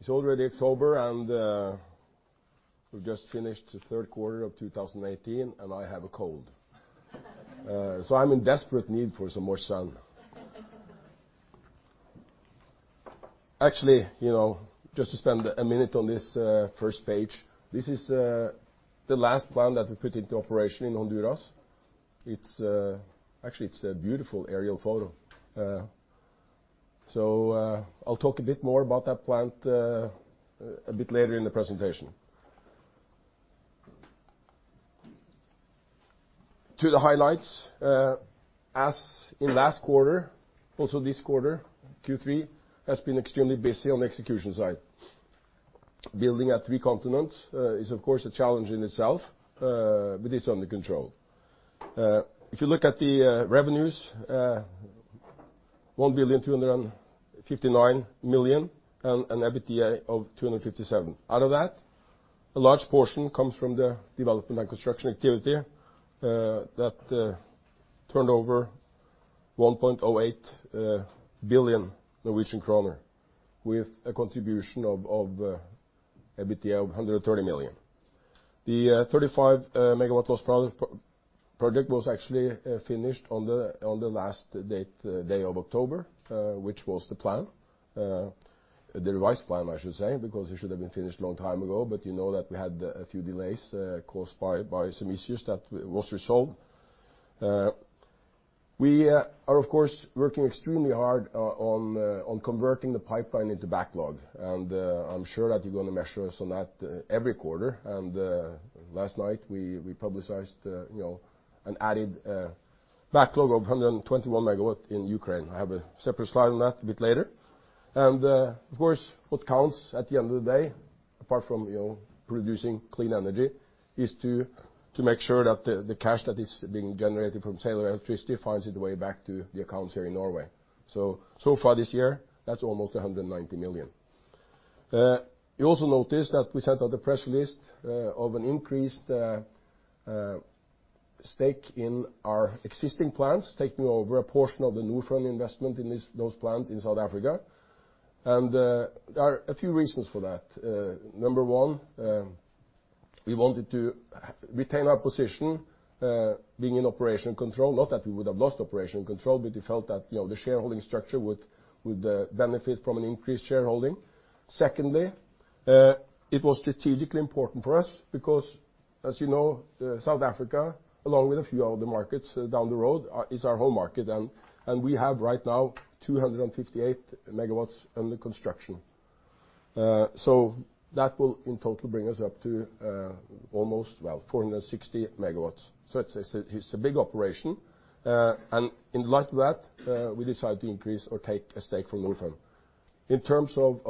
It's already October, and we just finished the third quarter of 2018, and I have a cold. I'm in desperate need for some more sun. Actually, just to spend a minute on this first page, this is the last plant that we put into operation in Honduras. Actually, it's a beautiful aerial photo. I'll talk a bit more about that plant a bit later in the presentation. To the highlights. As in last quarter, also this quarter, Q3, has been extremely busy on the execution side. Building at three continents is, of course, a challenge in itself, but it's under control. If you look at the revenues, 1,259 million and an EBITDA of 257 million. Out of that, a large portion comes from the development and construction activity that turned over 1.08 billion Norwegian kroner, with a contribution of EBITDA of 130 million. The 35 MW project was actually finished on the last day of October, which was the plan. The revised plan, I should say, because it should have been finished a long time ago. You know that we had a few delays caused by some issues that was resolved. We are, of course, working extremely hard on converting the pipeline into backlog, and I'm sure that you're going to measure us on that every quarter. Last night we publicized an added backlog of 121 MW in Ukraine. I have a separate slide on that a bit later. Of course, what counts at the end of the day, apart from producing clean energy, is to make sure that the cash that is being generated from sale of electricity finds its way back to the accounts here in Norway. So far this year, that's almost 190 million. You also notice that we sent out a press list of an increased stake in our existing plants, taking over a portion of the Norfund investment in those plants in South Africa. There are a few reasons for that. Number one, we wanted to retain our position being in operation control. Not that we would have lost operation control, but we felt that the shareholding structure would benefit from an increased shareholding. Secondly, it was strategically important for us because, as you know, South Africa, along with a few other markets down the road, is our home market, and we have right now 258 MW under construction. That will in total bring us up to almost 460 MW. It's a big operation. In light of that, we decided to increase or take a stake from Norfund. In terms of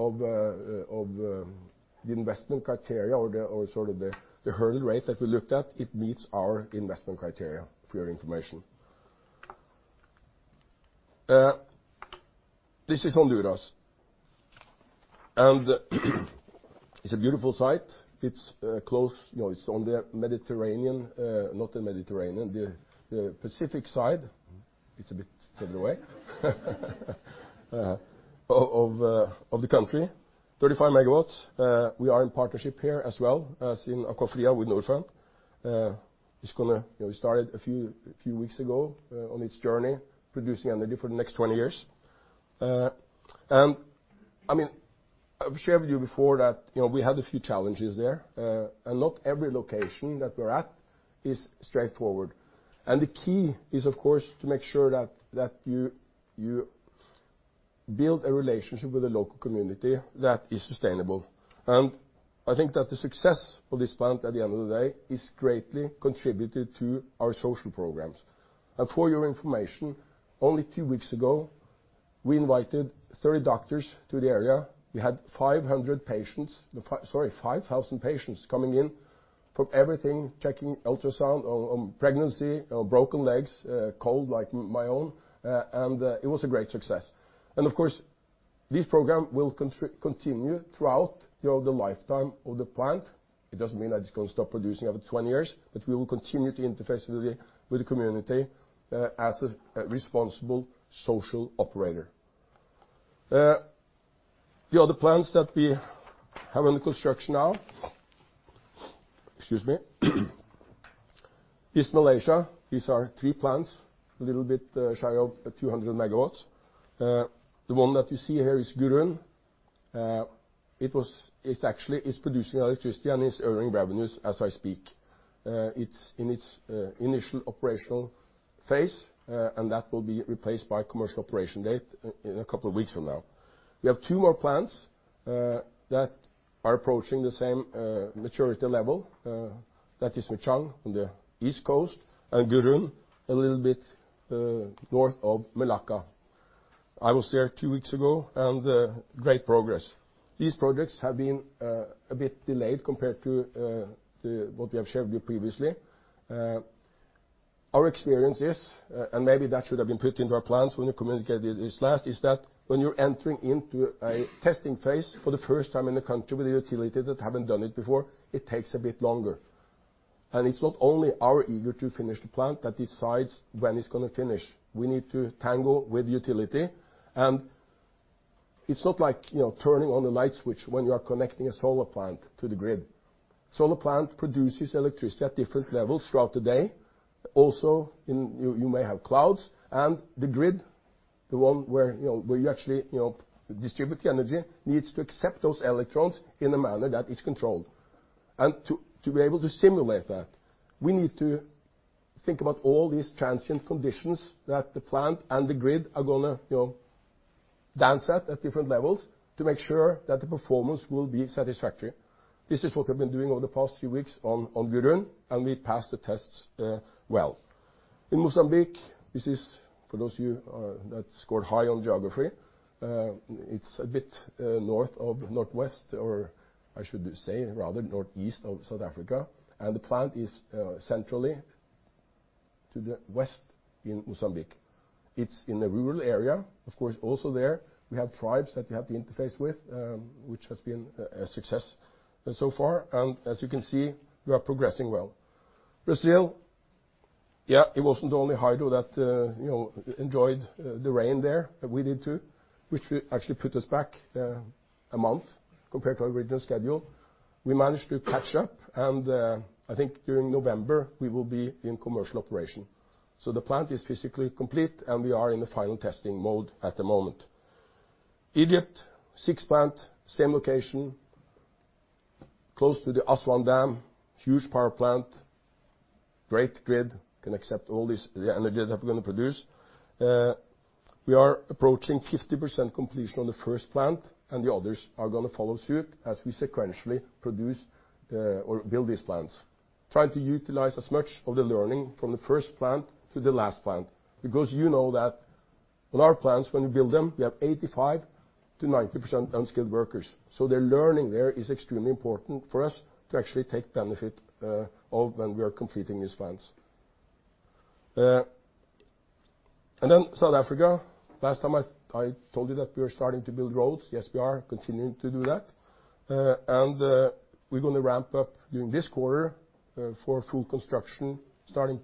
the investment criteria or the hurdle rate that we looked at, it meets our investment criteria, for your information. This is Honduras, and it's a beautiful site. It's on the Mediterranean not the Mediterranean, the Pacific side. It's a bit further away of the country. 35 MW. We are in partnership here as well as in Agua Fria with Norfund. It started a few weeks ago on its journey producing energy for the next 20 years. I've shared with you before that we had a few challenges there. Not every location that we're at is straightforward. The key is, of course, to make sure that you build a relationship with the local community that is sustainable. I think that the success of this plant, at the end of the day, is greatly contributed to our social programs. For your information, only two weeks ago, we invited 30 doctors to the area. We had 500 patients, sorry, 5,000 patients coming in from everything, checking ultrasound on pregnancy, on broken legs, cold like my own, and it was a great success. Of course, this program will continue throughout the lifetime of the plant. It doesn't mean that it's going to stop producing after 20 years, but we will continue to interface with the community as a responsible social operator. The other plants that we have under construction now. Excuse me. East Malaysia. These are three plants, a little bit shy of a few hundred megawatts. The one that you see here is Gurun. It's producing electricity and is earning revenues as I speak. It's in its initial operational phase, and that will be replaced by commercial operation date in a couple of weeks from now. We have two more plants that are approaching the same maturity level. That is Merchang on the east coast and Gurun a little bit north of Malacca. I was there two weeks ago, and great progress. These projects have been a bit delayed compared to what we have shared with you previously. Our experience is, and maybe that should have been put into our plans when we communicated this last, is that when you're entering into a testing phase for the first time in the country with a utility that haven't done it before, it takes a bit longer. It's not only our eager to finish the plant that decides when it's going to finish. We need to tangle with utility, and it's not like turning on the light switch when you are connecting a solar plant to the grid. Solar plant produces electricity at different levels throughout the day. Also, you may have clouds, and the grid, the one where you actually distribute the energy, needs to accept those electrons in a manner that is controlled. To be able to simulate that, we need to think about all these transient conditions that the plant and the grid are going to dance at different levels to make sure that the performance will be satisfactory. This is what we've been doing over the past few weeks on Gurun, and we passed the tests well. In Mozambique, this is for those of you that scored high on geography, it's a bit north of northwest, or I should say rather northeast of South Africa. The plant is centrally to the west in Mozambique. It's in a rural area. Of course, also there, we have tribes that we have to interface with, which has been a success so far. As you can see, we are progressing well. Brazil, yeah, it wasn't only hydro that enjoyed the rain there. We did too, which actually put us back a month compared to our original schedule. We managed to catch up, and I think during November, we will be in commercial operation. The plant is physically complete, and we are in the final testing mode at the moment. Egypt, sixth plant, same location, close to the Aswan Dam. Huge power plant, great grid, can accept all this energy that we're going to produce. We are approaching 50% completion on the first plant, and the others are going to follow suit as we sequentially produce or build these plants. Try to utilize as much of the learning from the first plant to the last plant. You know that on our plants, when we build them, we have 85%-90% unskilled workers. Their learning there is extremely important for us to actually take benefit of when we are completing these plants. South Africa, last time I told you that we are starting to build roads. Yes, we are continuing to do that. We're going to ramp up during this quarter for full construction, starting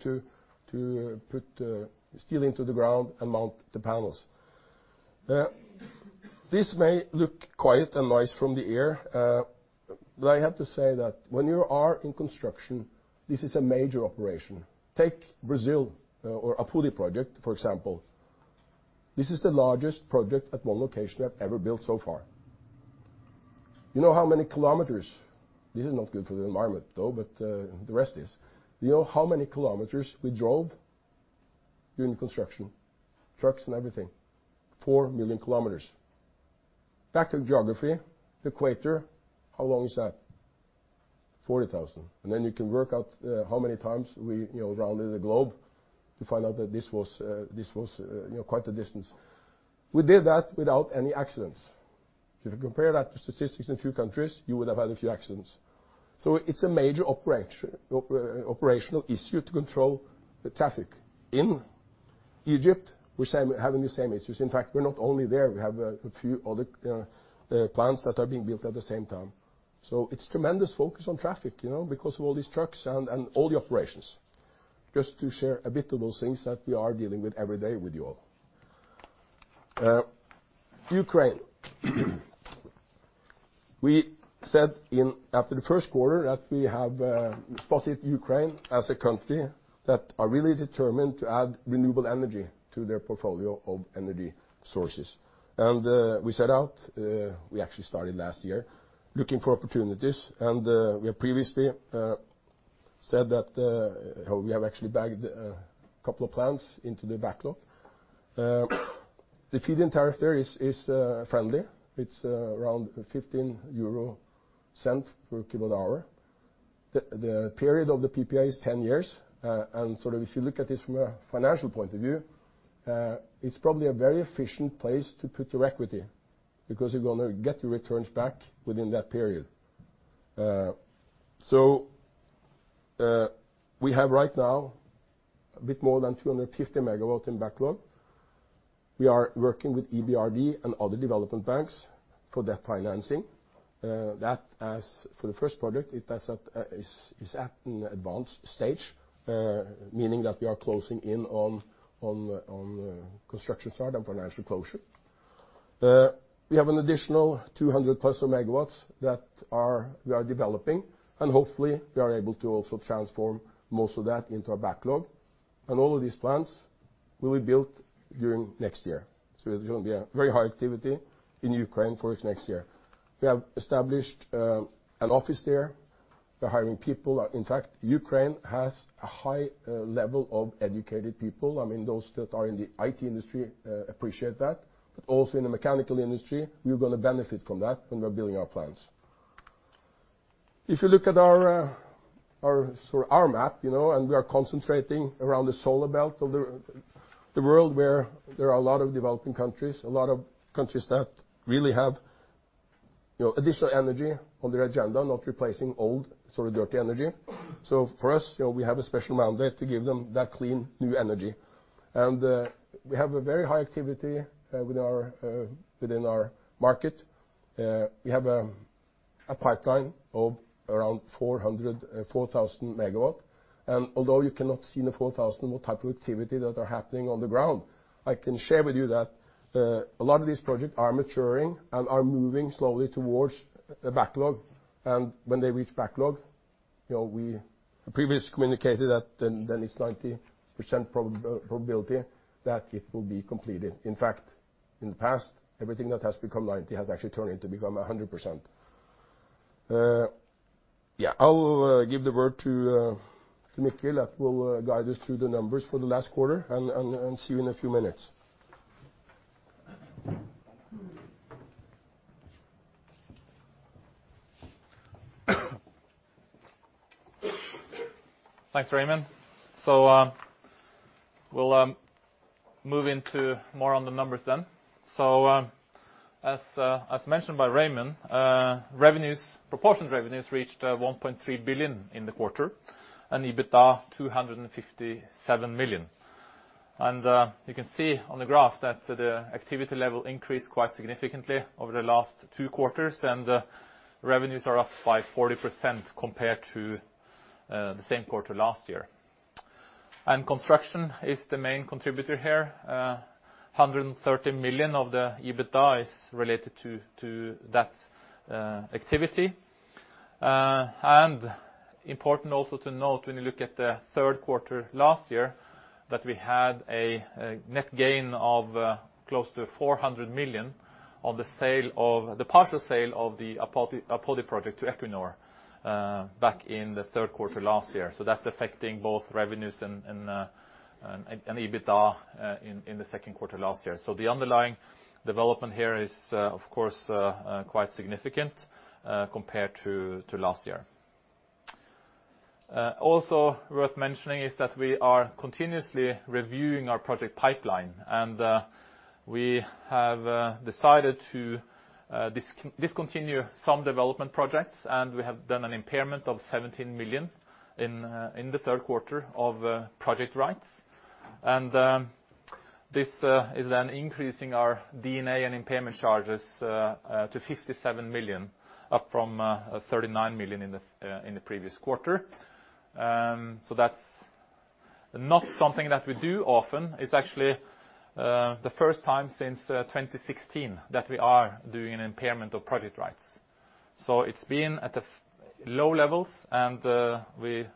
to put steel into the ground and mount the panels. This may look quiet and nice from the air. I have to say that when you are in construction, this is a major operation. Take Brazil or Apodi project, for example. This is the largest project at one location I've ever built so far. You know how many kilometers? This is not good for the environment though, the rest is. You know how many kilometers we drove during construction? Trucks and everything. Four million kilometers. Back to geography, the equator, how long is that? 40,000. You can work out how many times we rounded the globe to find out that this was quite a distance. We did that without any accidents. If you compare that to statistics in a few countries, you would have had a few accidents. It's a major operational issue to control the traffic. In Egypt, we're having the same issues. In fact, we're not only there, we have a few other plants that are being built at the same time. It's tremendous focus on traffic because of all these trucks and all the operations. Just to share a bit of those things that we are dealing with every day with you all. Ukraine. We said after the first quarter that we have spotted Ukraine as a country that are really determined to add renewable energy to their portfolio of energy sources. We set out, we actually started last year, looking for opportunities, and we have previously said that we have actually bagged a couple of plants into the backlog. The feed-in tariff there is friendly. It's around 0.15 per kilowatt hour. The period of the PPA is 10 years. If you look at this from a financial point of view, it's probably a very efficient place to put your equity because you're going to get your returns back within that period. We have right now a bit more than 250 megawatts in backlog. We are working with EBRD and other development banks for debt financing. That as for the first project, it is at an advanced stage, meaning that we are closing in on construction start and financial closure. We have an additional 200 plus megawatts that we are developing, and hopefully, we are able to also transform most of that into our backlog. All of these plants will be built during next year. It's going to be a very high activity in Ukraine for next year. We have established an office there. We're hiring people. In fact, Ukraine has a high level of educated people. I mean, those that are in the IT industry appreciate that. Also in the mechanical industry, we're going to benefit from that when we're building our plants. If you look at our map, we are concentrating around the solar belt of the world where there are a lot of developing countries, a lot of countries that really have additional energy on their agenda, not replacing old, dirty energy. For us, we have a special mandate to give them that clean new energy. We have a very high activity within our market. We have a pipeline of around 4,000 MW. Although you cannot see the 4,000 MW type of activity that are happening on the ground, I can share with you that a lot of these projects are maturing and are moving slowly towards a backlog. When they reach backlog, we previously communicated that then it's 90% probability that it will be completed. In fact, in the past, everything that has become 90% has actually turned to become 100%. I'll give the word to Mikkel, that will guide us through the numbers for the last quarter, and see you in a few minutes. Thanks, Raymond. We'll move into more on the numbers then. As mentioned by Raymond, proportionate revenues reached 1.3 billion in the quarter and EBITDA 257 million. You can see on the graph that the activity level increased quite significantly over the last two quarters, revenues are up by 40% compared to the same quarter last year. Construction is the main contributor here. 130 million of the EBITDA is related to that activity. Important also to note when you look at the third quarter last year, that we had a net gain of close to 400 million on the partial sale of the Apodi project to Equinor back in the third quarter last year. That's affecting both revenues and EBITDA in the second quarter last year. The underlying development here is, of course, quite significant compared to last year. Worth mentioning is that we are continuously reviewing our project pipeline, we have decided to discontinue some development projects, we have done an impairment of 17 million in the third quarter of project rights. This is then increasing our D&A and impairment charges to 57 million, up from 39 million in the previous quarter. That's not something that we do often. It's actually the first time since 2016 that we are doing an impairment of project rights. It's been at low levels, and we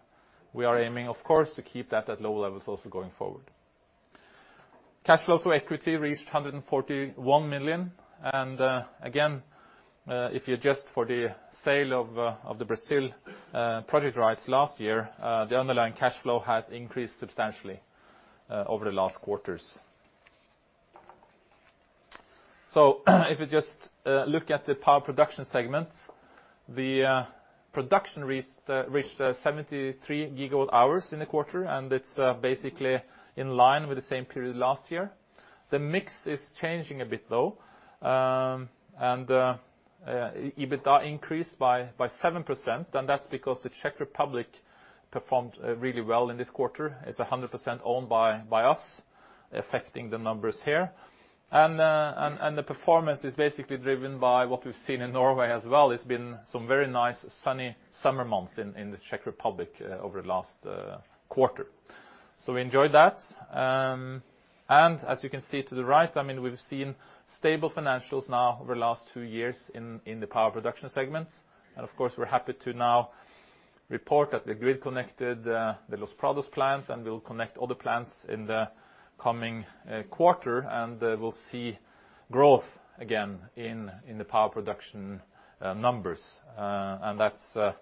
are aiming, of course, to keep that at low levels also going forward. Cash flow to equity reached 141 million. Again, if you adjust for the sale of the Brazil project rights last year, the underlying cash flow has increased substantially over the last quarters. If you just look at the power production segment, the production reached 73 GWh in the quarter, and it is basically in line with the same period last year. The mix is changing a bit, though. EBITDA increased by 7%, and that is because the Czech Republic performed really well in this quarter. It is 100% owned by us, affecting the numbers here. The performance is basically driven by what we have seen in Norway as well. It has been some very nice sunny summer months in the Czech Republic over the last quarter. We enjoyed that. As you can see to the right, we have seen stable financials now over the last two years in the power production segment. Of course, we are happy to now report that the grid connected the Los Prados plant and we will connect other plants in the coming quarter, and we will see growth again in the power production numbers. That is,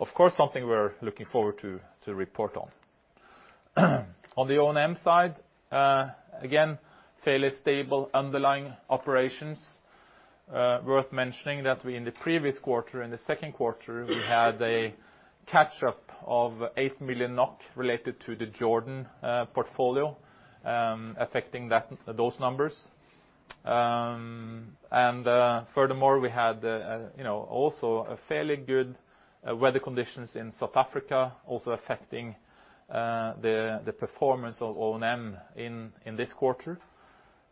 of course, something we are looking forward to report on. On the O&M side, again, fairly stable underlying operations. Worth mentioning that we in the previous quarter, in the second quarter, we had a catch-up of 8 million NOK related to the Jordan portfolio, affecting those numbers. Furthermore, we had also fairly good weather conditions in South Africa, also affecting the performance of O&M in this quarter.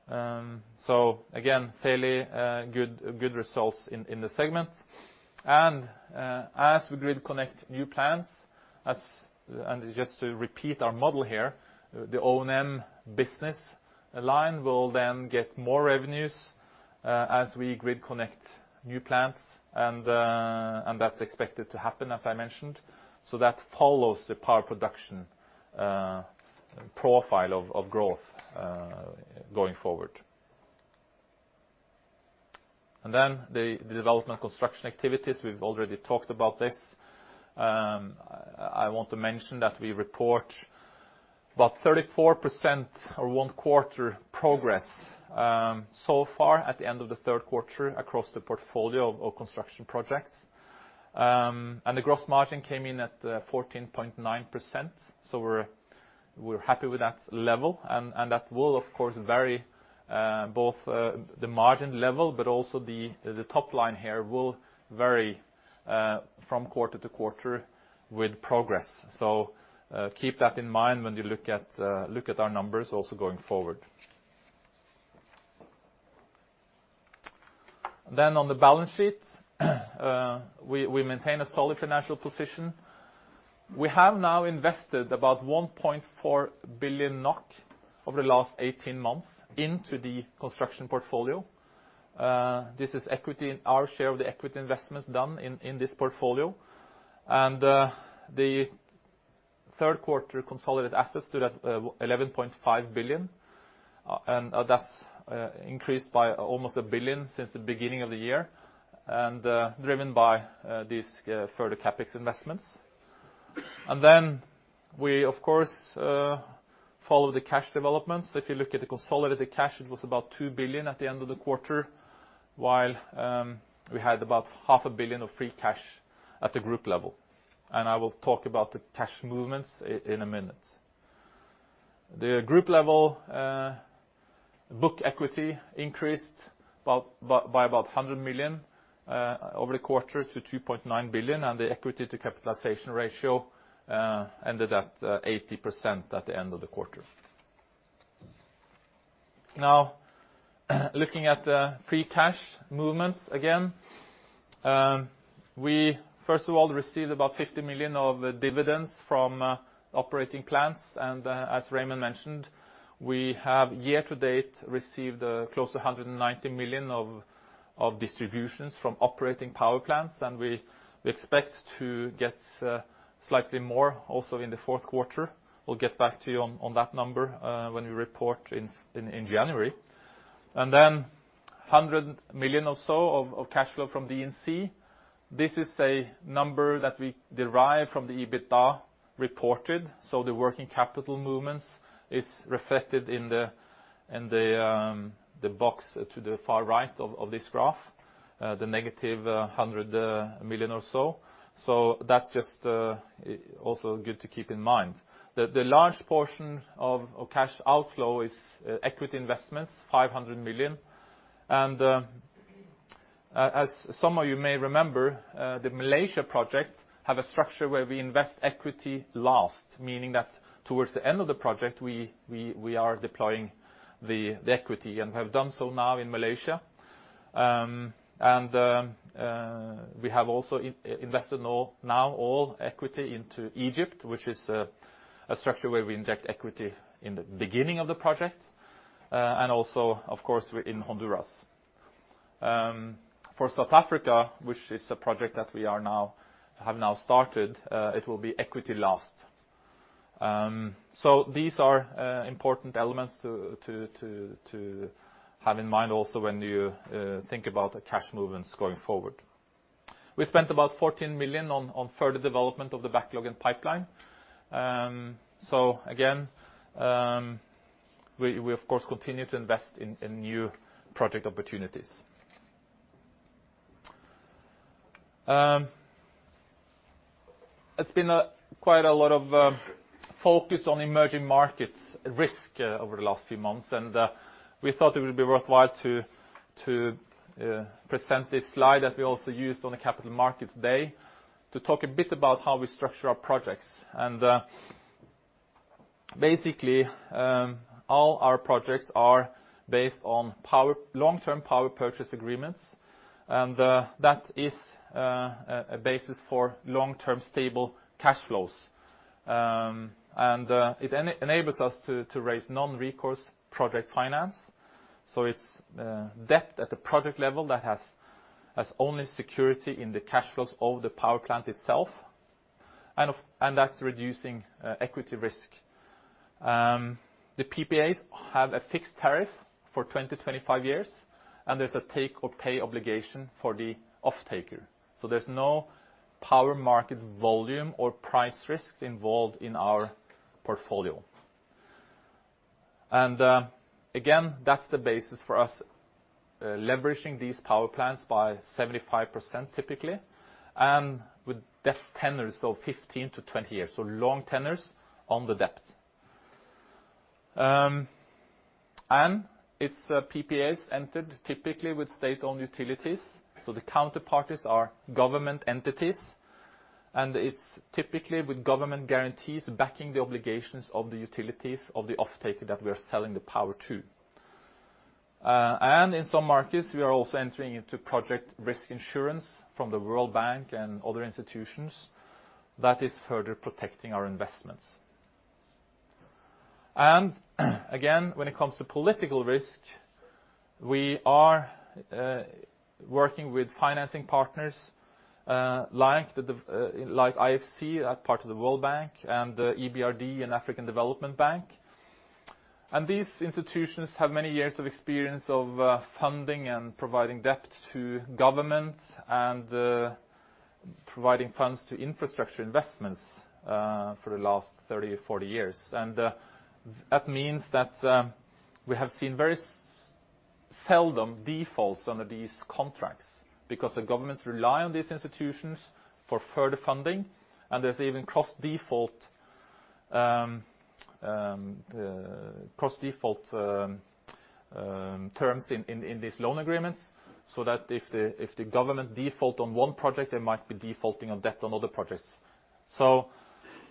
Again, fairly good results in the segment. As we grid connect new plants, and just to repeat our model here, the O&M business line will then get more revenues as we grid connect new plants, and that is expected to happen, as I mentioned. That follows the power production profile of growth going forward. The development construction activities, we have already talked about this. I want to mention that we report about 34% or one quarter progress so far at the end of the third quarter across the portfolio of all construction projects. The gross margin came in at 14.9%. We are happy with that level, and that will, of course, vary both the margin level, but also the top line here will vary from quarter to quarter with progress. Keep that in mind when you look at our numbers also going forward. On the balance sheet, we maintain a solid financial position. We have now invested about 1.4 billion NOK over the last 18 months into the construction portfolio. This is equity in our share of the equity investments done in this portfolio. The third quarter consolidated assets stood at 11.5 billion, and that has increased by almost 1 billion since the beginning of the year, and driven by these further CapEx investments. We, of course, follow the cash developments. If you look at the consolidated cash, it was about 2 billion at the end of the quarter, while we had about 0.5 billion of free cash at the group level. I will talk about the cash movements in a minute. The group level book equity increased by about 100 million over the quarter to 2.9 billion, and the equity to capitalization ratio ended at 80% at the end of the quarter. Looking at the free cash movements again. We first of all received about 50 million of dividends from operating plants. As Raymond mentioned, we have year-to-date received close to 190 million of distributions from operating power plants, and we expect to get slightly more also in the fourth quarter. We'll get back to you on that number when we report in January. 100 million or so of cash flow from D&C. This is a number that we derive from the EBITDA reported. The working capital movements is reflected in the box to the far right of this graph, the negative 100 million or so. That's just also good to keep in mind. The large portion of cash outflow is equity investments, 500 million. As some of you may remember, the Malaysia project have a structure where we invest equity last, meaning that towards the end of the project, we are deploying the equity, and have done so now in Malaysia. We have also invested now all equity into Egypt, which is a structure where we inject equity in the beginning of the project, and also, of course, in Honduras. For South Africa, which is a project that we have now started, it will be equity last. These are important elements to have in mind also when you think about the cash movements going forward. We spent about 14 million on further development of the backlog and pipeline. Again, we of course continue to invest in new project opportunities. It's been quite a lot of focus on emerging markets risk over the last few months. We thought it would be worthwhile to present this slide that we also used on the Capital Markets Day to talk a bit about how we structure our projects. Basically, all our projects are based on long-term power purchase agreements. That is a basis for long-term stable cash flows. It enables us to raise non-recourse project finance. It's debt at the project level that has only security in the cash flows of the power plant itself, and that's reducing equity risk. The PPAs have a fixed tariff for 20-25 years, and there's a take-or-pay obligation for the offtaker. There's no power market volume or price risks involved in our portfolio. Again, that's the basis for us leveraging these power plants by 75% typically, and with debt tenors of 15-20 years. Long tenors on the debt. It's PPAs entered typically with state-owned utilities, so the counterparties are government entities. It's typically with government guarantees backing the obligations of the utilities of the offtaker that we are selling the power to. In some markets, we are also entering into project risk insurance from the World Bank and other institutions. That is further protecting our investments. Again, when it comes to political risk, we are working with financing partners like IFC, part of the World Bank, the EBRD, and African Development Bank. These institutions have many years of experience of funding and providing debt to governments and providing funds to infrastructure investments for the last 30-40 years. That means that we have seen very seldom defaults under these contracts because the governments rely on these institutions for further funding and there's even cross-default terms in these loan agreements so that if the government default on one project, they might be defaulting on debt on other projects.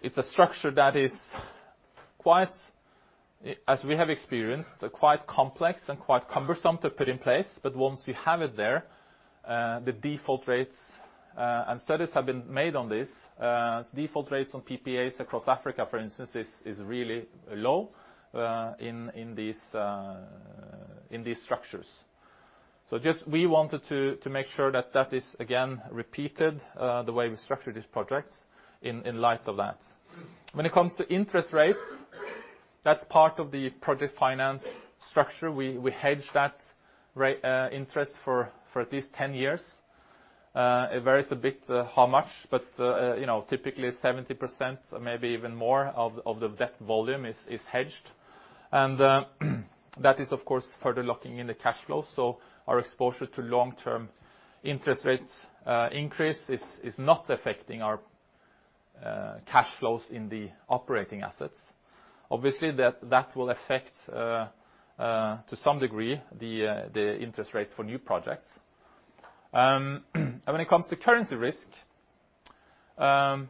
It's a structure that is, as we have experienced, quite complex and quite cumbersome to put in place. Once you have it there, the default rates, and studies have been made on this, default rates on PPAs across Africa, for instance, is really low in these structures. Just we wanted to make sure that is again repeated, the way we structure these projects in light of that. When it comes to interest rates, that's part of the project finance structure. We hedge that interest for at least 10 years. It varies a bit how much, but typically 70% or maybe even more of the debt volume is hedged. That is, of course, further locking in the cash flow. Our exposure to long-term interest rates increase is not affecting our cash flows in the operating assets. Obviously, that will affect, to some degree, the interest rates for new projects. When it comes to currency risk, the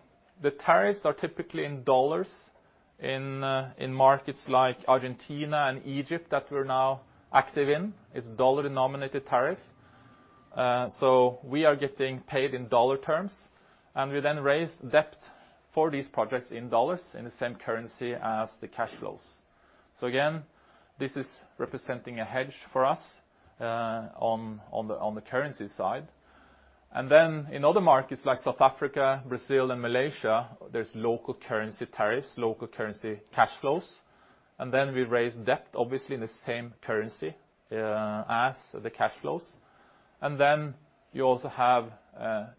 tariffs are typically in USD in markets like Argentina and Egypt that we are now active in, is USD-denominated tariff. We are getting paid in USD terms, and we then raise debt for these projects in USD in the same currency as the cash flows. Again, this is representing a hedge for us on the currency side. Then in other markets like South Africa, Brazil, and Malaysia, there's local currency tariffs, local currency cash flows, and then we raise debt, obviously, in the same currency as the cash flows. Then you also have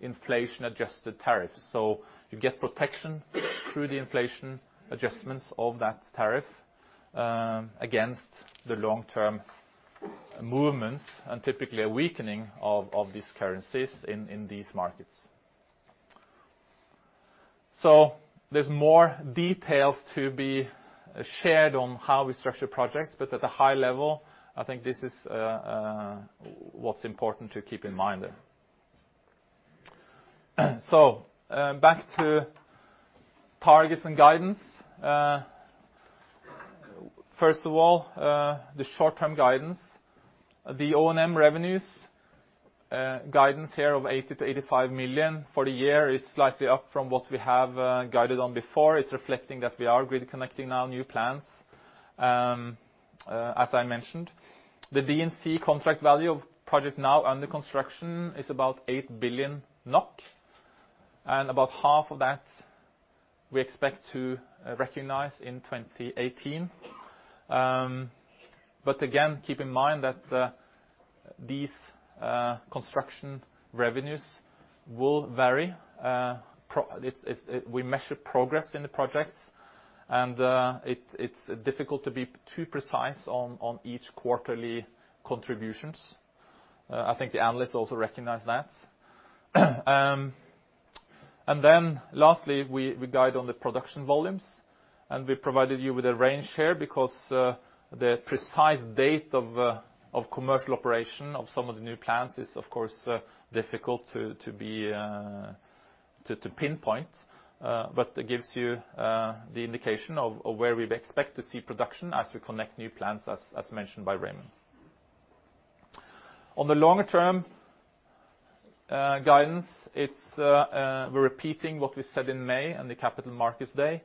inflation-adjusted tariffs. You get protection through the inflation adjustments of that tariff against the long-term movements and typically a weakening of these currencies in these markets. There's more details to be shared on how we structure projects, but at a high level, I think this is what's important to keep in mind. Back to targets and guidance. First of all, the short-term guidance. The O&M revenues guidance here of 80 million to 85 million for the year is slightly up from what we have guided on before. It's reflecting that we are grid-connecting now new plants, as I mentioned. The D&C contract value of projects now under construction is about 8 billion NOK, and about half of that we expect to recognize in 2018. Again, keep in mind that these construction revenues will vary. We measure progress in the projects, and it's difficult to be too precise on each quarterly contributions. I think the analysts also recognize that. Lastly, we guide on the production volumes, and we provided you with a range here because the precise date of commercial operation of some of the new plants is, of course, difficult to pinpoint. It gives you the indication of where we expect to see production as we connect new plants, as mentioned by Raymond. On the longer-term guidance, we're repeating what we said in May on the Capital Markets Day.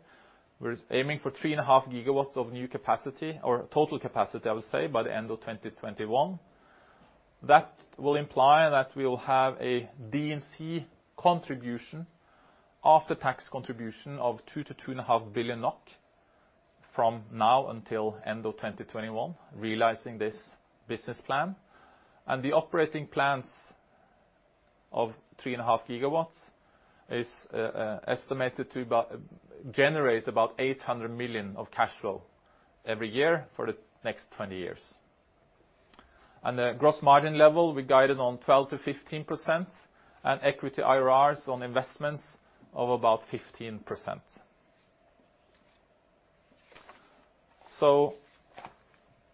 We're aiming for 3.5 gigawatts of new capacity or total capacity, I would say, by the end of 2021. That will imply that we will have a D&C contribution, after-tax contribution of 2 billion NOK to 2.5 billion NOK from now until end of 2021, realizing this business plan. The operating plans of 3.5 gigawatts is estimated to generate about 800 million of cash flow every year for the next 20 years. On the gross margin level, we guided on 12%-15% and equity IRRs on investments of about 15%.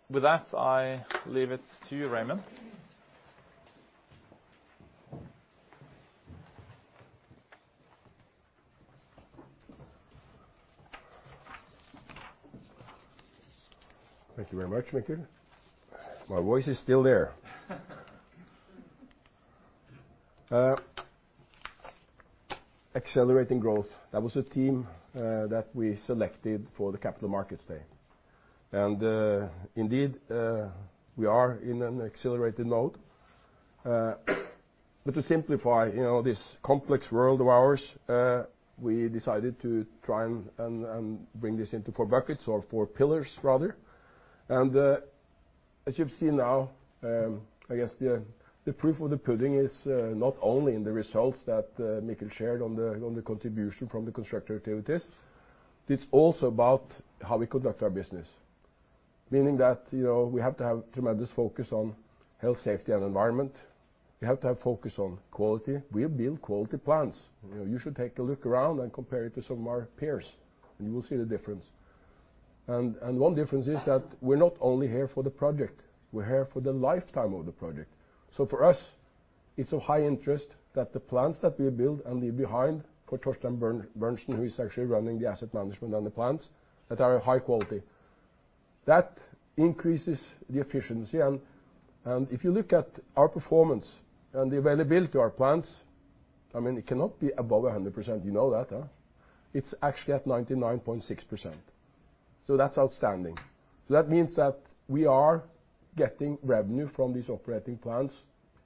With that, I leave it to you, Raymond. Thank you very much, Mikkel. My voice is still there. Accelerating growth. That was a theme that we selected for the Capital Markets Day. Indeed, we are in an accelerated mode. To simplify this complex world of ours, we decided to try and bring this into four buckets or four pillars rather. As you've seen now, I guess the proof of the pudding is not only in the results that Mikkel shared on the contribution from the constructor activities. It's also about how we conduct our business, meaning that we have to have tremendous focus on health, safety, and environment. We have to have focus on quality. We build quality plants. You should take a look around and compare it to some of our peers, and you will see the difference. One difference is that we're not only here for the project, we're here for the lifetime of the project. For us, it's of high interest that the plants that we build and leave behind for Torstein Berntsen, who is actually running the asset management and the plants, that are of high quality. That increases the efficiency. If you look at our performance and the availability of our plants, it cannot be above 100%. You know that. It's actually at 99.6%, that's outstanding. That means that we are getting revenue from these operating plants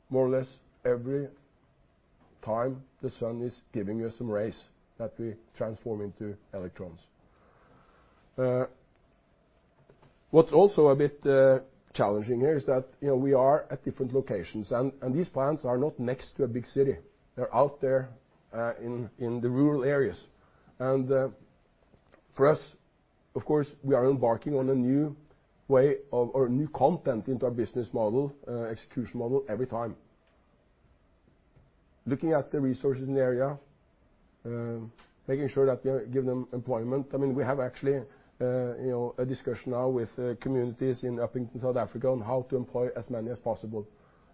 more or less every time the sun is giving us some rays that we transform into electrons. What's also a bit challenging here is that we are at different locations, and these plants are not next to a big city. They're out there in the rural areas. For us, of course, we are embarking on a new way or new content into our business model, execution model every time. Looking at the resources in the area, making sure that we give them employment. We have actually a discussion now with communities in Upington, South Africa, on how to employ as many as possible,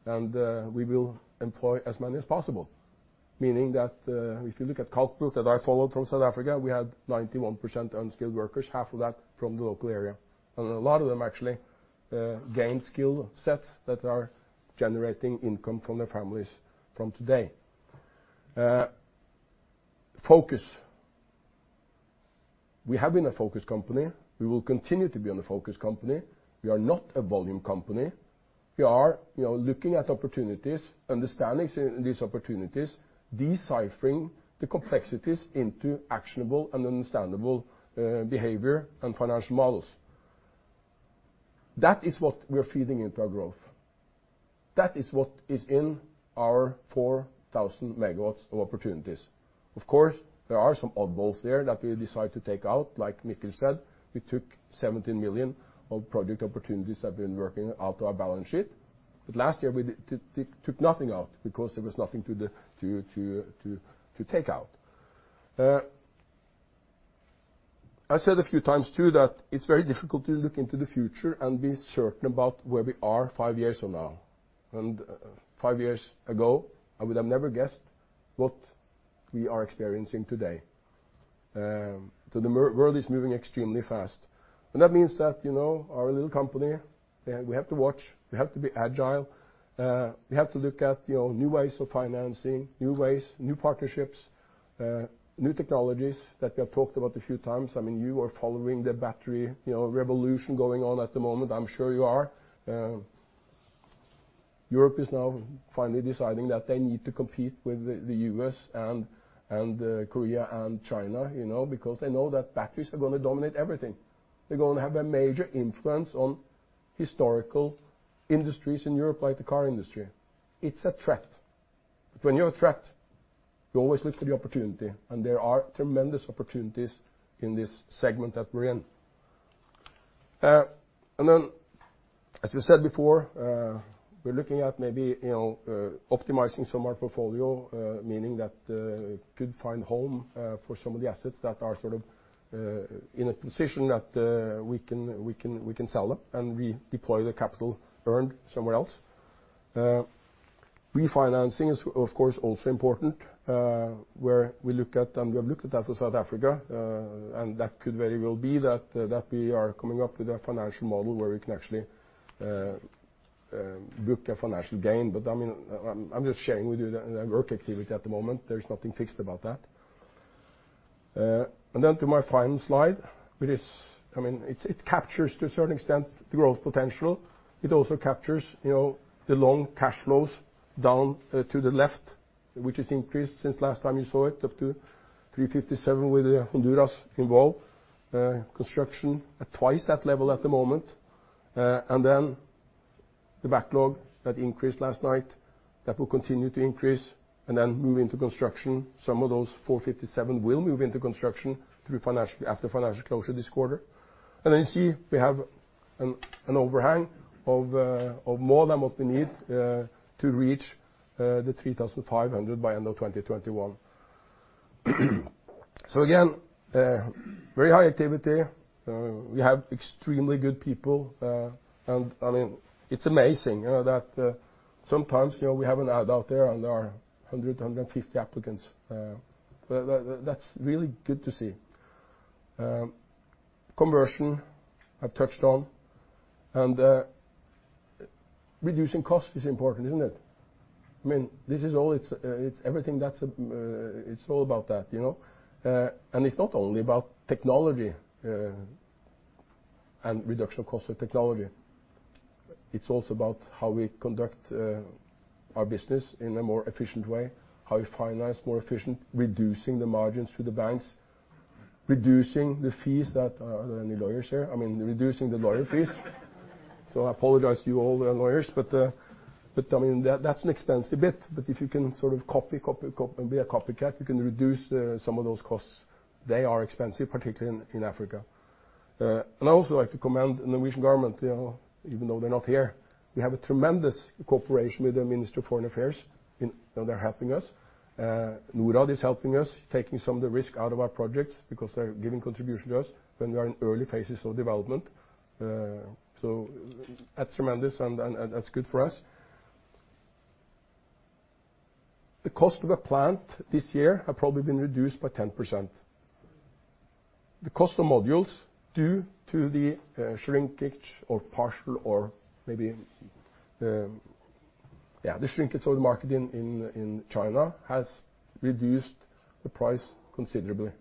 and we will employ as many as possible, meaning that if you look at Kalkbult that I followed from South Africa, we had 91% unskilled workers, half of that from the local area. A lot of them actually gained skill sets that are generating income for their families from today. Focus. We have been a focus company. We will continue to be a focus company. We are not a volume company. We are looking at opportunities, understanding these opportunities, deciphering the complexities into actionable and understandable behavior and financial models. That is what we're feeding into our growth. That is what is in our 4,000 megawatts of opportunities. Of course, there are some oddballs there that we decide to take out. Like Mikkel said, we took 17 million of project opportunities I've been working out of our balance sheet. Last year, we took nothing out because there was nothing to take out. I said a few times, too, that it's very difficult to look into the future and be certain about where we are 5 years from now. 5 years ago, I would have never guessed what we are experiencing today. The world is moving extremely fast. That means that our little company, we have to watch. We have to be agile. We have to look at new ways of financing, new ways, new partnerships, new technologies that we have talked about a few times. You are following the battery revolution going on at the moment. I'm sure you are. Europe is now finally deciding that they need to compete with the U.S. and Korea and China because they know that batteries are going to dominate everything. They're going to have a major influence on historical industries in Europe, like the car industry. It's a threat. When you're a threat, you always look for the opportunity. There are tremendous opportunities in this segment that we're in. As we said before, we're looking at maybe optimizing some of our portfolio, meaning that could find home for some of the assets that are in a position that we can sell them, and we deploy the capital earned somewhere else. Refinancing is, of course, also important, where we look at, and we have looked at that for South Africa. That could very well be that we are coming up with a financial model where we can actually book a financial gain. I'm just sharing with you the work activity at the moment. There's nothing fixed about that. To my final slide, it captures to a certain extent the growth potential. It also captures the long cash flows down to the left, which has increased since last time you saw it, up to 357 million with Honduras involved. Construction at twice that level at the moment. The backlog that increased last night, that will continue to increase and then move into construction. Some of those 457 million will move into construction after financial closure this quarter. You see we have an overhang of more than what we need to reach the 3,500 MW by end of 2021. Again very high activity. We have extremely good people. It's amazing that sometimes we have an ad out there and there are 100, 150 applicants. That's really good to see. Conversion I've touched on. Reducing cost is important, isn't it? It's all about that. It's not only about technology and reduction of cost of technology. It's also about how we conduct our business in a more efficient way, how we finance more efficient, reducing the margins to the banks, reducing the fees that Are there any lawyers here? Reducing the lawyer fees. I apologize to you all, the lawyers. That's an expensive bit. If you can sort of copy and be a copycat, you can reduce some of those costs. They are expensive, particularly in Africa. I also like to commend the Norwegian government, even though they're not here. We have a tremendous cooperation with the Ministry of Foreign Affairs, they're helping us. Norad is helping us, taking some of the risk out of our projects because they're giving contribution to us when we are in early phases of development. That's tremendous and that's good for us. The cost of a plant this year have probably been reduced by 10%. The cost of modules due to the shrinkage or partial or maybe Yeah, the shrinkage of the market in China has reduced the price considerably.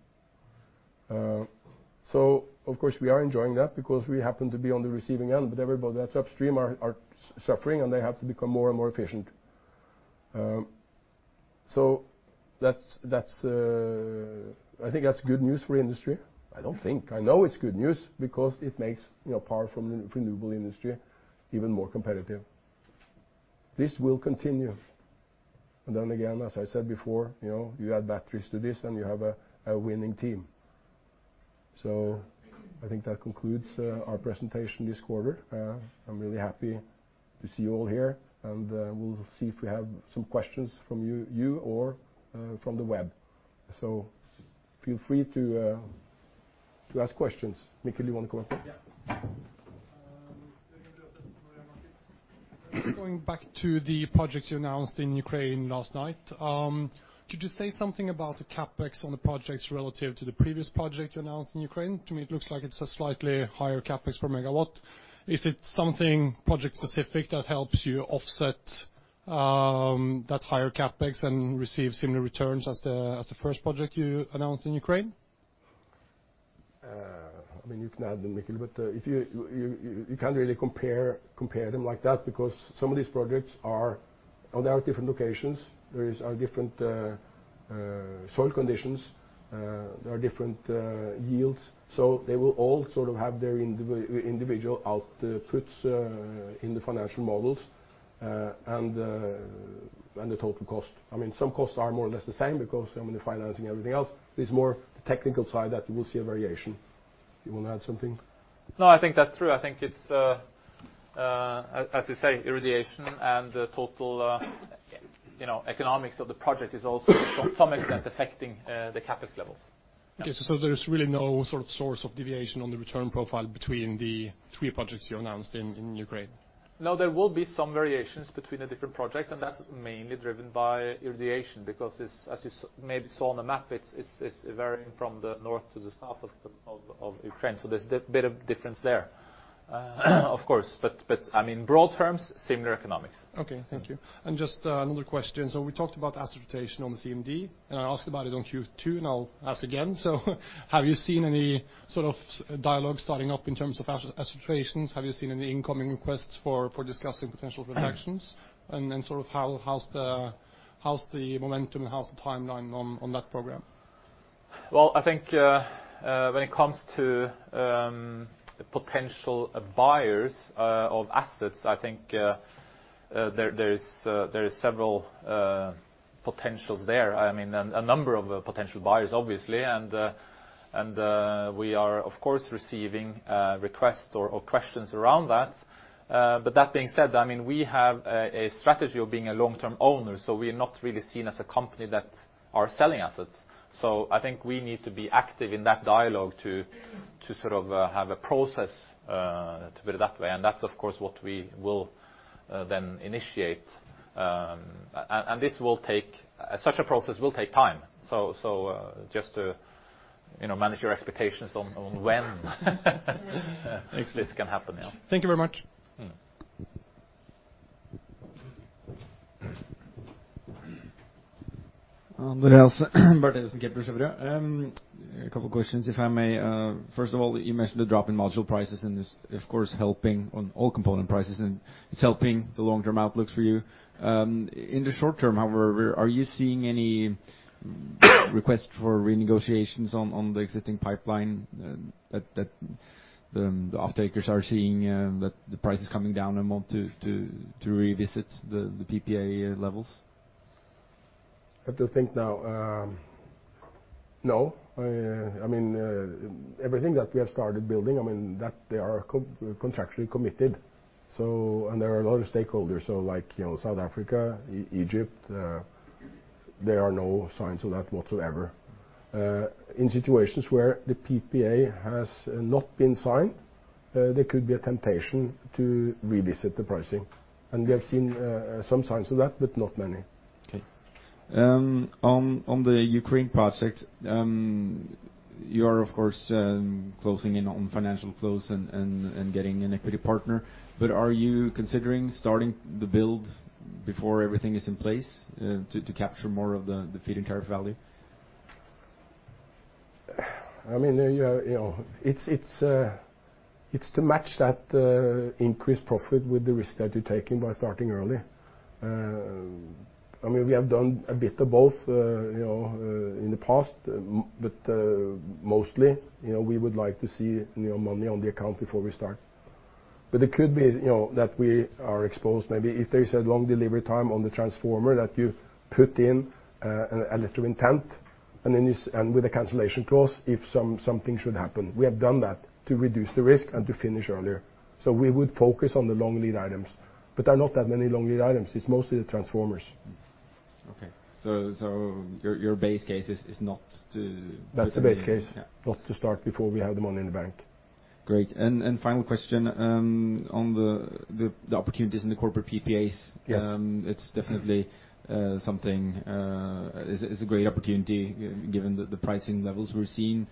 Of course, we are enjoying that because we happen to be on the receiving end, but everybody that's upstream are suffering, and they have to become more and more efficient. I think that's good news for industry. I don't think, I know it's good news because it makes power from renewable industry even more competitive. This will continue. Again, as I said before, you add batteries to this and you have a winning team. I think that concludes our presentation this quarter. I'm really happy to see you all here, and we'll see if we have some questions from you or from the web. Feel free to ask questions. Mikkel, you want to go? Yeah. Going back to the projects you announced in Ukraine last night. Could you say something about the CapEx on the projects relative to the previous project you announced in Ukraine? To me, it looks like it's a slightly higher CapEx per megawatt. Is it something project-specific that helps you offset that higher CapEx and receive similar returns as the first project you announced in Ukraine? You can add, Mikkel. You can't really compare them like that because some of these projects are On their different locations, there is different soil conditions, there are different yields. They will all sort of have their individual outputs in the financial models, and the total cost. Some costs are more or less the same because some of the financing and everything else. It's more the technical side that we'll see a variation. You want to add something? No, I think that's true. I think it's, as you say, irradiation and the total economics of the project is also to some extent affecting the CapEx levels. Okay. There's really no sort of source of deviation on the return profile between the three projects you announced in Ukraine? No, there will be some variations between the different projects, and that's mainly driven by irradiation, because as you maybe saw on the map, it's varying from the north to the south of Ukraine. There's a bit of difference there, of course. Broad terms, similar economics. Okay, thank you. Just another question. We talked about asset rotation on CMD, and I asked about it on Q2, and I'll ask again. Have you seen any sort of dialogue starting up in terms of asset rotations? Have you seen any incoming requests for discussing potential transactions? Then sort of how's the momentum and how's the timeline on that program? Well, I think when it comes to potential buyers of assets, I think there is several potentials there. A number of potential buyers, obviously. We are, of course, receiving requests or questions around that. That being said, we have a strategy of being a long-term owner, so we are not really seen as a company that are selling assets. I think we need to be active in that dialogue to sort of have a process, to put it that way. That's, of course, what we will then initiate. Such a process will take time. Just to manage your expectations on when this can happen. Thank you very much. Andreas. A couple questions, if I may. First of all, you mentioned the drop in module prices, this, of course, helping on all component prices, it's helping the long-term outlooks for you. In the short term, however, are you seeing any requests for renegotiations on the existing pipeline that the offtakers are seeing that the price is coming down and want to revisit the PPA levels? I have to think now. No. Everything that we have started building, they are contractually committed. There are a lot of stakeholders. Like South Africa, Egypt, there are no signs of that whatsoever. In situations where the PPA has not been signed, there could be a temptation to revisit the pricing. We have seen some signs of that, but not many. Okay. On the Ukraine project, you are, of course, closing in on financial close and getting an equity partner. Are you considering starting the build before everything is in place to capture more of the feed-in tariff value? It's to match that increased profit with the risk that you're taking by starting early. We have done a bit of both in the past, but mostly, we would like to see new money on the account before we start. It could be that we are exposed, maybe if there is a long delivery time on the transformer that you've put in a letter of intent, and with a cancellation clause, if something should happen. We have done that to reduce the risk and to finish earlier. We would focus on the long lead items. There are not that many long lead items. It's mostly the transformers. Okay. Your base case is not to- That's the base case. Yeah. Not to start before we have the money in the bank. Great. Final question. On the opportunities in the corporate PPAs- Yes It's definitely something. It's a great opportunity given the pricing levels we're seeing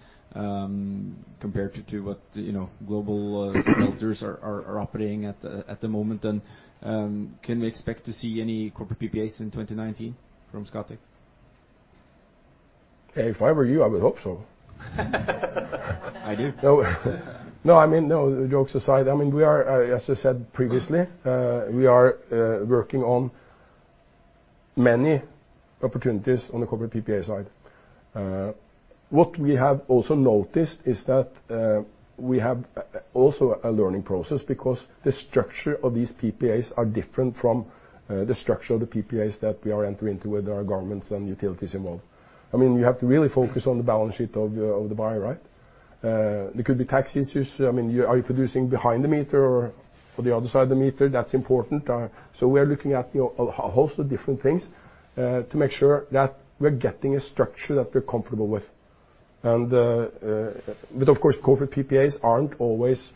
compared to what global smelters are operating at the moment. Can we expect to see any corporate PPAs in 2019 from Scatec? If I were you, I would hope so. I do. No, jokes aside, as I said previously, we are working on many opportunities on the corporate PPA side. What we have also noticed is that we have also a learning process because the structure of these PPAs are different from the structure of the PPAs that we are entering into with our governments and utilities involved. You have to really focus on the balance sheet of the buyer, right? There could be tax issues. Are you producing behind the meter or for the other side of the meter? That's important. We are looking at a host of different things to make sure that we're getting a structure that we're comfortable with. But of course, corporate PPAs aren't always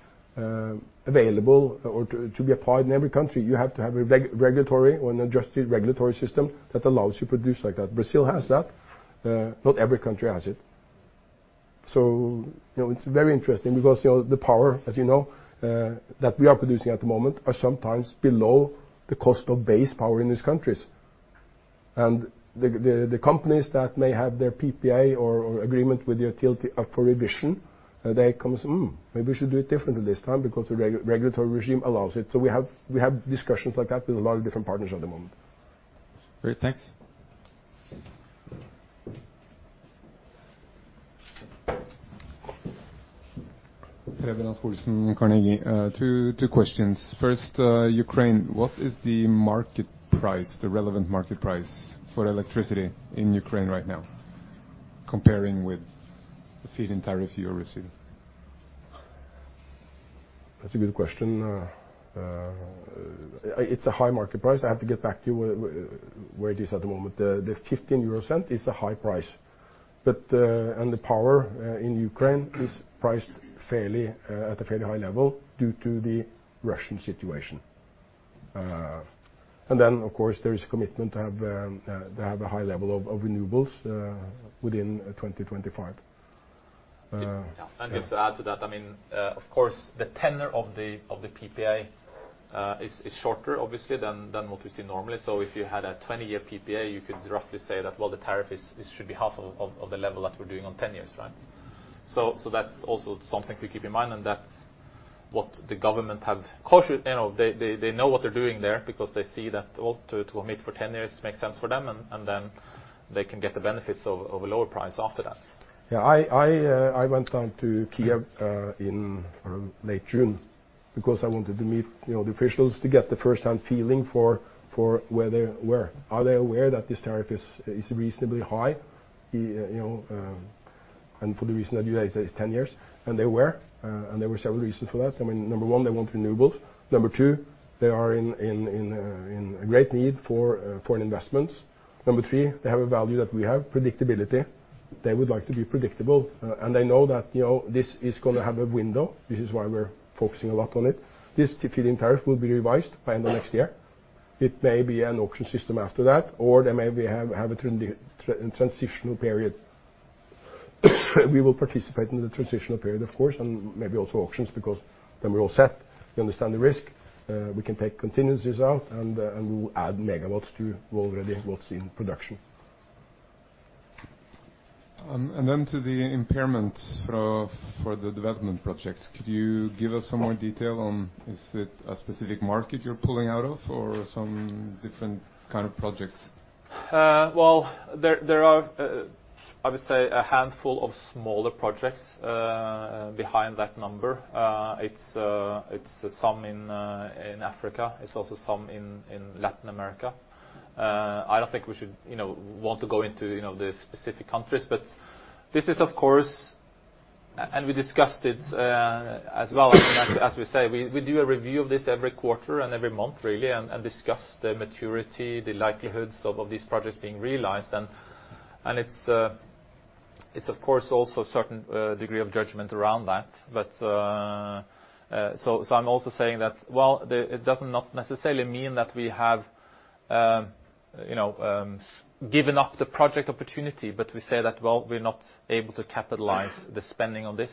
available or to be applied in every country. You have to have a regulatory or an adjusted regulatory system that allows you to produce like that. Brazil has that. Not every country has it. It's very interesting because the power, as you know, that we are producing at the moment are sometimes below the cost of base power in these countries. The companies that may have their PPA or agreement with the utility up for revision, they come and say, "Hmm, maybe we should do it differently this time because the regulatory regime allows it." We have discussions like that with a lot of different partners at the moment. Great, thanks. Preben Støle Olsen, Carnegie. Two questions. First, Ukraine. What is the market price, the relevant market price for electricity in Ukraine right now, comparing with the feed-in tariff you are receiving? That's a good question. It's a high market price. I have to get back to you where it is at the moment. The 0.15 is a high price. The power in Ukraine is priced at a fairly high level due to the Russian situation. Then, of course, there is a commitment to have a high level of renewables within 2025. Yeah. Just to add to that, of course, the tenure of the PPA is shorter, obviously, than what we see normally. If you had a 20-year PPA, you could roughly say that, well, the tariff should be half of the level that we're doing on 10 years, right? That's also something to keep in mind, and that's what the government have cautious. They know what they're doing there because they see that to omit for 10 years makes sense for them, and they can get the benefits of a lower price after that. I went down to Kiev in late June because I wanted to meet the officials to get the first-hand feeling for where they were. Are they aware that this tariff is reasonably high? For the reason that you guys said, it's 10 years. They were. There were several reasons for that. Number 1, they want renewables. Number 2, they are in great need for foreign investments. Number 3, they have a value that we have, predictability. They would like to be predictable. They know that this is going to have a window, which is why we're focusing a lot on it. This feed-in tariff will be revised by the end of next year. It may be an auction system after that, or they maybe have a transitional period. We will participate in the transitional period, of course, maybe also auctions because then we're all set. We understand the risk. We can take contingencies out, we will add megawatts to already what's in production. To the impairments for the development projects. Could you give us some more detail on, is it a specific market you're pulling out of? Or some different kind of projects? Well, there are, I would say, a handful of smaller projects behind that number. It's some in Africa, it's also some in Latin America. I don't think we should want to go into the specific countries. This is, of course, and we discussed it as well, as we say, we do a review of this every quarter and every month, really, and discuss the maturity, the likelihoods of these projects being realized. It's of course, also a certain degree of judgment around that. I'm also saying that, well, it doesn't necessarily mean that we have given up the project opportunity, we say that, well, we're not able to capitalize the spending on this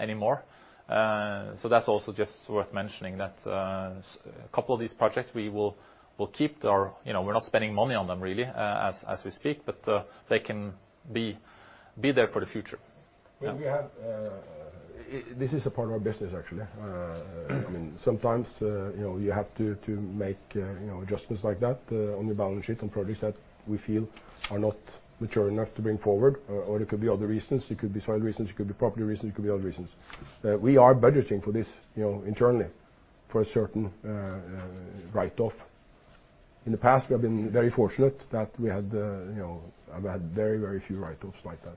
anymore. That's also just worth mentioning that a couple of these projects we will keep. We're not spending money on them really, as we speak. They can be there for the future. This is a part of our business, actually. Sometimes you have to make adjustments like that on your balance sheet on projects that we feel are not mature enough to bring forward, or it could be other reasons. It could be soil reasons, it could be property reasons, it could be other reasons. We are budgeting for this internally for a certain write-off. In the past, we have been very fortunate that we have had very few write-offs like that.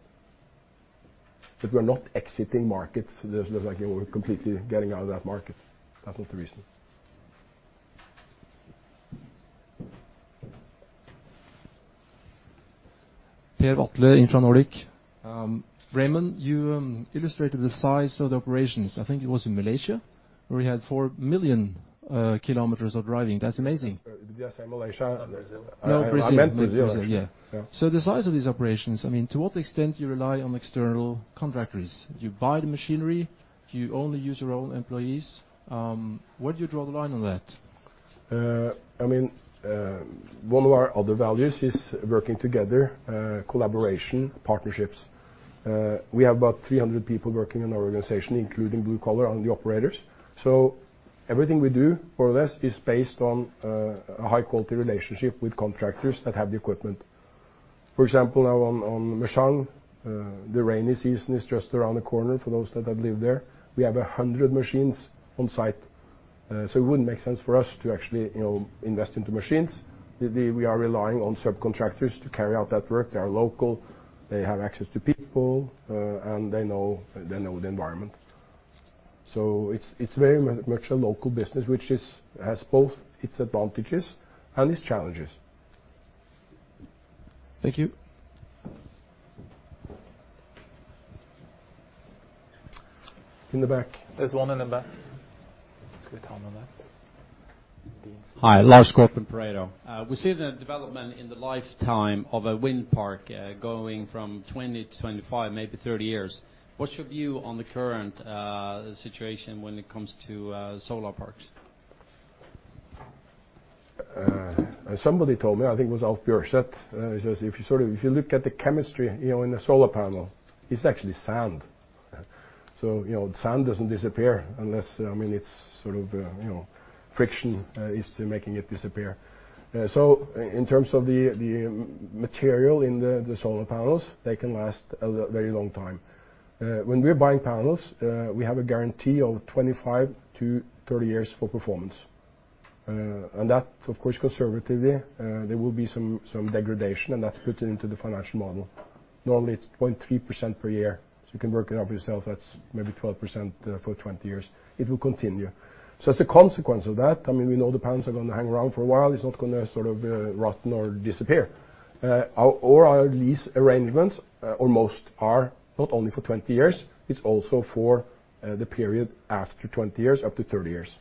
We're not exiting markets, like we're completely getting out of that market. That's not the reason. Per Haagensen from Nordea. Raymond, you illustrated the size of the operations. I think it was in Malaysia, where we had 4 million kilometers of driving. That's amazing. Did I say Malaysia? No, Brazil. I meant Brazil, actually. Yeah. The size of these operations, to what extent do you rely on external contractors? Do you buy the machinery? Do you only use your own employees? Where do you draw the line on that? One of our other values is working together, collaboration, partnerships. We have about 300 people working in our organization, including blue collar and the operators. Everything we do, more or less, is based on a high-quality relationship with contractors that have the equipment. For example, now on Mocuba, the rainy season is just around the corner, for those that have lived there. We have 100 machines on site. It wouldn't make sense for us to actually invest into machines. We are relying on subcontractors to carry out that work. They are local, they have access to people, and they know the environment. It's very much a local business, which has both its advantages and its challenges. Thank you. In the back. There's one in the back. Good time on that. Hi, Lars Kjellberg, Pareto. We see the development in the lifetime of a wind park going from 20 to 25, maybe 30 years. What's your view on the current situation when it comes to solar parks? Somebody told me, I think it was Alf Bjørseth. He says, "If you look at the chemistry in a solar panel, it's actually sand." Sand doesn't disappear unless it's friction is making it disappear. In terms of the material in the solar panels, they can last a very long time. When we're buying panels, we have a guarantee of 25-30 years for performance. That, of course, conservatively, there will be some degradation, and that's put into the financial model. Normally it's 0.3% per year, you can work it out for yourself. That's maybe 12% for 20 years. It will continue. As a consequence of that, we know the panels are going to hang around for a while. It's not going to rot or disappear. All our lease arrangements, or most are, not only for 20 years, it's also for the period after 20 years, up to 30 years.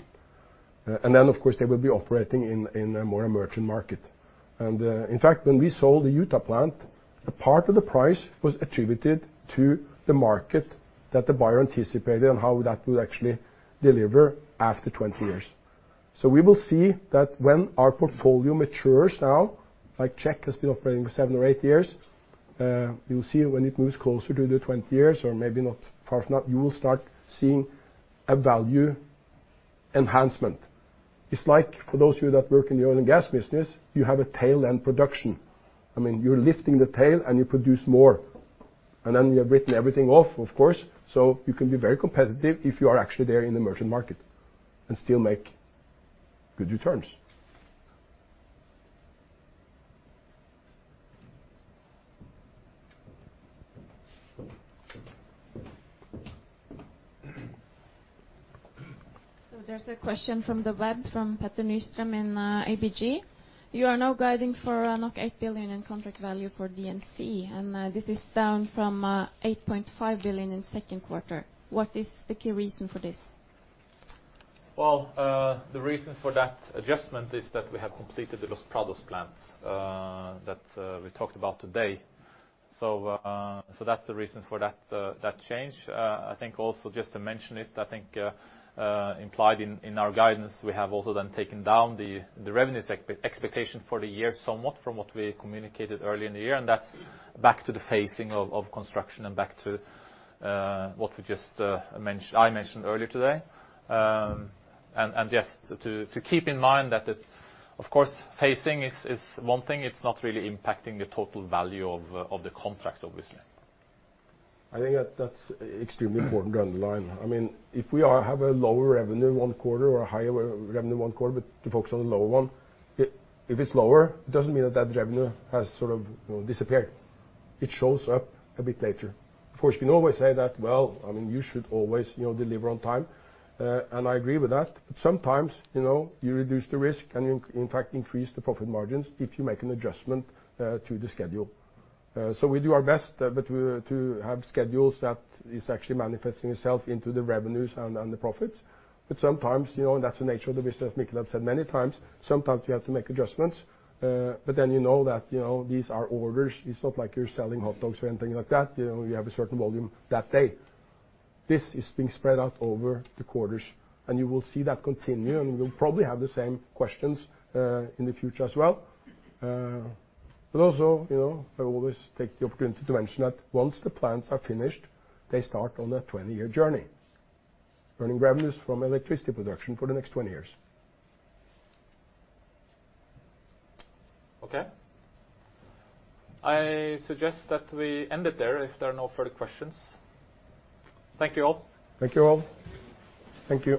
Then, of course, they will be operating in a more emergent market. In fact, when we sold the Utah plant, a part of the price was attributed to the market that the buyer anticipated and how that will actually deliver after 20 years. We will see that when our portfolio matures now, like Czech Republic has been operating for seven or eight years. You'll see when it moves closer to the 20 years or maybe not, far from that, you will start seeing a value enhancement. It's like for those of you that work in the oil and gas business, you have a tail end production. You're lifting the tail and you produce more. Then we have written everything off, of course. You can be very competitive if you are actually there in the merchant market and still make good returns. There's a question from the web, from Petter Nystrøm in ABG. You are now guiding for 8 billion in contract value for D&C, this is down from 8.5 billion in second quarter. What is the key reason for this? The reason for that adjustment is that we have completed the Los Prados plants that we talked about today. That's the reason for that change. I think also just to mention it, I think implied in our guidance, we have also taken down the revenues expectation for the year somewhat from what we communicated earlier in the year. That's back to the phasing of construction and back to what I mentioned earlier today. Just to keep in mind that, of course, phasing is one thing. It's not really impacting the total value of the contracts, obviously. I think that's extremely important to underline. If we have a lower revenue one quarter or a higher revenue one quarter, to focus on the lower one, if it's lower, it doesn't mean that revenue has disappeared. It shows up a bit later. Of course, we can always say that, "Well, you should always deliver on time," and I agree with that. Sometimes you reduce the risk and, in fact, increase the profit margins if you make an adjustment to the schedule. We do our best to have schedules that is actually manifesting itself into the revenues and the profits. Sometimes, and that's the nature of the business, Mikkel has said many times, sometimes we have to make adjustments. You know that these are orders. It's not like you're selling hot dogs or anything like that. You have a certain volume that day. This is being spread out over the quarters, and you will see that continue, and we'll probably have the same questions in the future as well. Also, I always take the opportunity to mention that once the plans are finished, they start on a 20-year journey. Earning revenues from electricity production for the next 20 years. Okay. I suggest that we end it there if there are no further questions. Thank you all. Thank you all. Thank you.